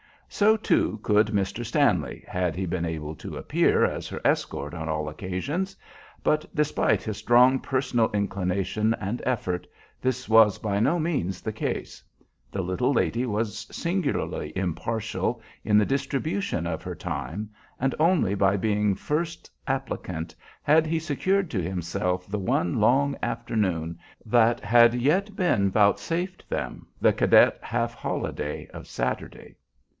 So, too, could Mr. Stanley, had he been able to appear as her escort on all occasions; but despite his strong personal inclination and effort, this was by no means the case. The little lady was singularly impartial in the distribution of her time, and only by being first applicant had he secured to himself the one long afternoon that had yet been vouchsafed them, the cadet half holiday of Saturday.